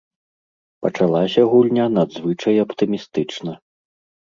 Пачалася гульня надзвычай аптымістычна.